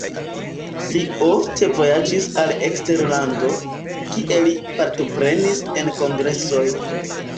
Li ofte vojaĝis al eksterlando, kie li partoprenis en kongresoj.